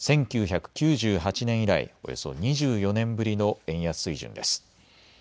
１９９８年以来、およそ２４年ぶりの円安水準です。